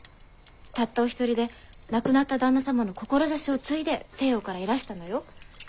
たったお一人で亡くなった旦那様の志を継いで西洋からいらしたのよ。